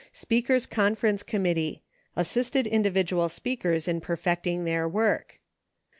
Speakers Conference Committee. Assisted individual speakers in perfecting their work.